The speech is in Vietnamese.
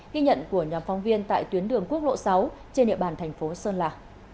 ghi nhận của nhà phóng viên tại tuyến đường quốc lộ sáu trên địa bàn thành phố sơn la